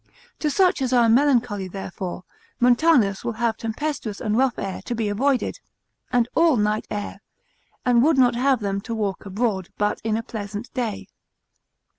To such as are melancholy therefore, Montanus, consil. 24, will have tempestuous and rough air to be avoided, and consil. 27, all night air, and would not have them to walk abroad, but in a pleasant day.